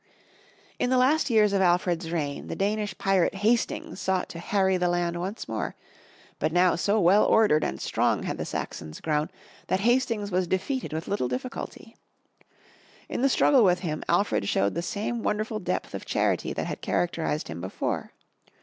In the last years of Alfred's reign, the Danish pirate Hastings sought to harry the land once more, but now so well ordered and strong had the Saxons grown, that Hastings was defeated with little difficulty. In the struggle with him, Alfred showed the same wonderful depth of charity that had characterized him be fore.